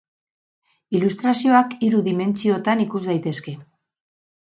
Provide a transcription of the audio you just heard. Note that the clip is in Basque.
Ilustrazioak hiru dimentsiotan ikus daitezke.